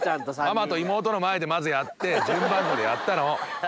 ママと妹の前でまずやって順番こでやったの。